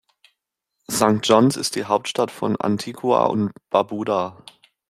St. John’s ist die Hauptstadt von Antigua und Barbuda.